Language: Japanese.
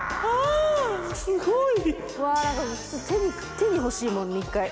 手に欲しいもんね一回。